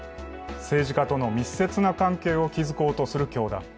政治家との密接な関係を築こうとする教団。